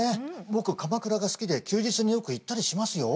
僕鎌倉が好きで休日によく行ったりしますよ。